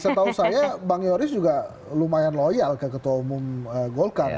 setahu saya bang yoris juga lumayan loyal ke ketua umum golkar